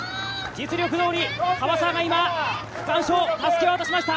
実力どおり、樺沢が今、区間賞、たすきを渡しました。